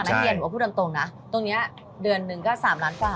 เมียหนูก็พูดตรงนะตรงนี้เดือนหนึ่งก็๓ร้านฝ่า